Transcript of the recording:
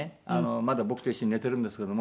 まだ僕と一緒に寝てるんですけれども。